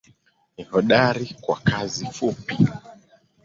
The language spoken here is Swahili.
Ni hodari kwa kazi fupi.